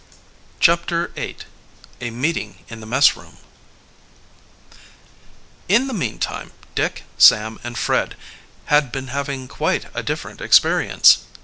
CHAPTER VIII A MEETING IN THE MESSROOM In the meantime Dick, Sam, and Fred had been having quite a different experience.